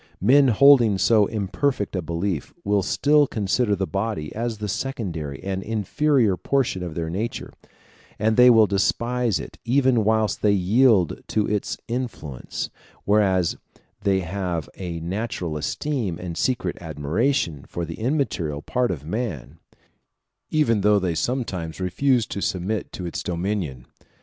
Men holding so imperfect a belief will still consider the body as the secondary and inferior portion of their nature, and they will despise it even whilst they yield to its influence; whereas they have a natural esteem and secret admiration for the immaterial part of man, even though they sometimes refuse to submit to its dominion.